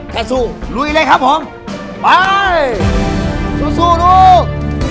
แค่สู้ลุยเลยครับผมไปสู้ลูก